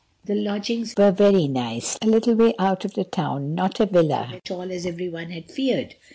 The lodgings were very nice—a little way out of the town—not a villa at all as everyone had feared.